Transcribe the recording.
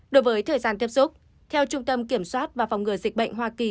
đối với thời gian tiếp xúc theo trung tâm kiểm soát và phòng ngừa dịch bệnh hoa kỳ